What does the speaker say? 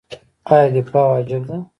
آیا دفاع واجب ده؟